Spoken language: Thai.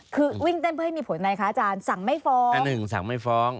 คือวิ่งเต้นเพื่อให้มีผลอะไรคะอาจารย์สั่งไม่ฟ้องอันหนึ่งสั่งไม่ฟ้อง